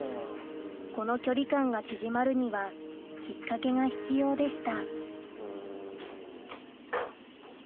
この距離感が縮まるにはきっかけが必要でした